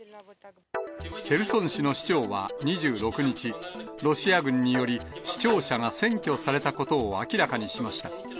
ヘルソン市の市長は２６日、ロシア軍により、市庁舎が占拠されたことを明らかにしました。